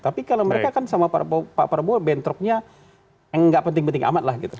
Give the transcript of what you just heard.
tapi kalau mereka kan sama pak prabowo bentroknya nggak penting penting amat lah gitu